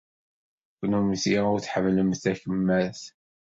Kennemti ur tḥemmlemt takemmart.